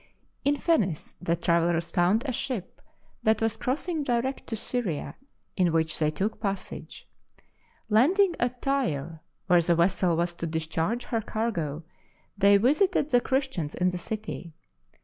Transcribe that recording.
In Phenice the travellers found a ship that RETURN TO JERUSALEM 95 was crossing direct to Syria, in which they took passage. Landing at Tyre, where the vessel was to discharge her cargo, they visited the Christians in the city.